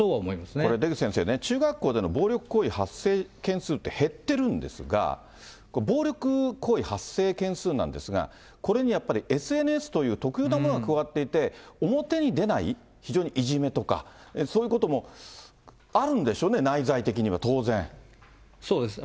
これ、出口先生ね、中学校での暴力行為の発生件数って減ってるんですが、これ、暴力行為発生件数なんですが、これにはやっぱりＳＮＳという特異なものが加わっていて、表に出ない、非常にいじめとか、そういうこともあるでしょうね、そうです。